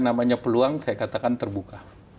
namanya peluang saya katakan terbuka